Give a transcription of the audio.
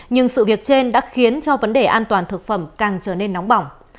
nhưng sự việc trên đã khiến cho vấn đề an toàn thực phẩm càng trở nên nóng bỏng